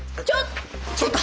ちょっ。